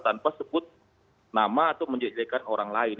tanpa sebut nama atau menjejekan orang lain